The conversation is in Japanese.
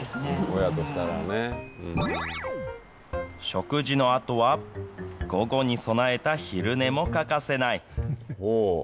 食事のあとは、午後に備えた昼寝も欠かせない。